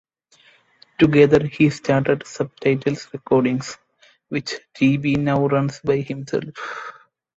Together he started Subtitles Recordings, which Teebee now runs by himself.